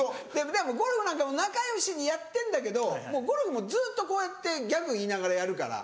でもゴルフなんかも仲よしにやってんだけどゴルフもずっとこうやってギャグ言いながらやるから。